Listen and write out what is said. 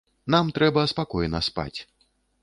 Нам трэба спакойна спаць.